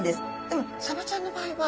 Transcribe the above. でもサバちゃんの場合は。